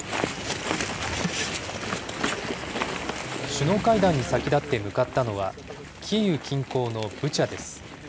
首脳会談に先立って向かったのは、キーウ近郊のブチャです。